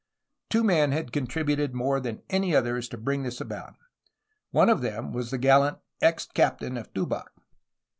Two men had contributed more than any others to bring this about. One of them was the gallant ex captain of Tubac.